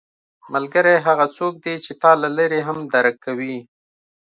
ملګری هغه څوک دی چې تا له لرې هم درک کوي